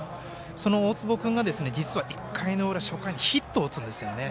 その大坪君が実は１回の裏初回にヒットを打つんですよね。